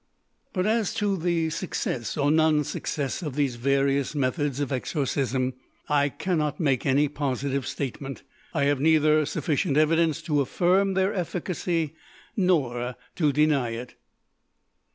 But as to the success or non success of these various methods of exorcism I cannot make any positive statement. I have neither sufficient evidence to affirm their efficacy nor to deny it.